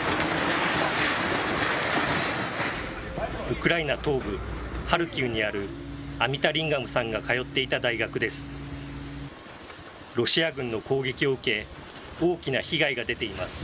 ウクライナ東部ハルキウにある、アミタリンガムさんが通っていた大学です。